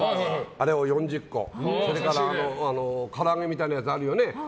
あれを４０個、それからから揚げみたいなのあるよね